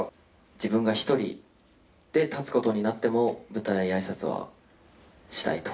自分が一人で立つことになっても、舞台あいさつはしたいと。